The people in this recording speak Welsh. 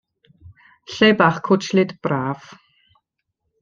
Lle bach cwtshlyd, braf.